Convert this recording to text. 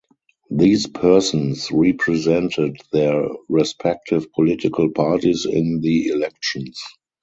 These persons represented their respective political parties in the elections.